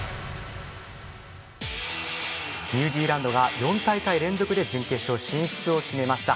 ニュージーランドが４大会連続で準決勝進出を決めました。